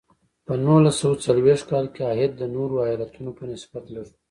په نولس سوه څلویښت کال کې عاید د نورو ایالتونو په نسبت لږ و.